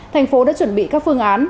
thành phố đã chuẩn bị các phương án